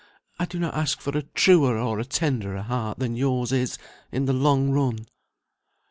I do not ask for a truer or a tenderer heart than yours is, in the long run."